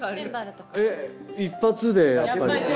・一発でやっぱり。